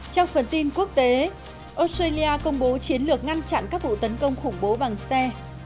trong phần tin quốc tế australia công bố chiến lược ngăn chặn các vụ tấn công khủng bố bằng xe